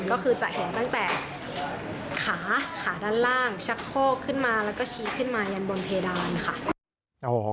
ก็คือจะเห็นตั้งแต่ขาขาด้านล่างชักโคกขึ้นมาแล้วก็ชี้ขึ้นมายันบนเพดานค่ะ